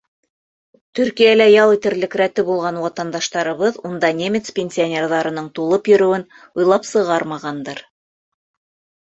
Төркиәлә ял итерлек рәте булған ватандаштарыбыҙ унда немец пенсионерҙарының тулып йөрөүен уйлап сығармағандыр.